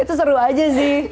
itu seru aja sih